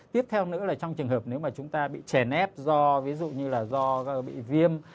tiếp theo nữa là trong trường hợp nếu mà chúng ta bị chèn ép do ví dụ như là do bị viêm